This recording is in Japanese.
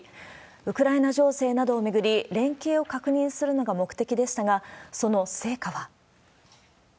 ウクライナ情勢などを巡り、連携を確認するのが目的でしたが、その成果は。